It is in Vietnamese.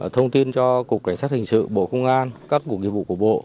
thông tin cho cục cảnh sát hình sự bộ công an các cục nghiệp vụ của bộ